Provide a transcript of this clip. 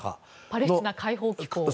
パレスチナ解放機構。